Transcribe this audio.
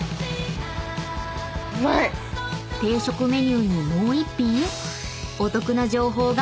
［定食メニューにもう１品⁉］